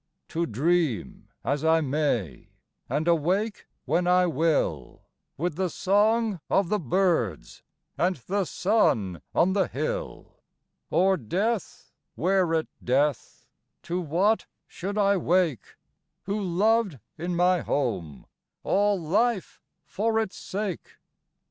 To dream as I may And awake when I will With the song of the birds And the sun on the hill. Or death were it death To what should I wake Who loved in my home All life for its sake?